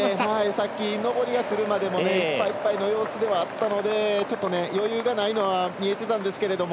さっき上りがくるまでもいっぱいいっぱいの様子ではあったので余裕がないのは見えていたんですけれども。